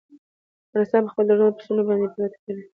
افغانستان په خپلو درنو پسونو باندې پوره تکیه لري.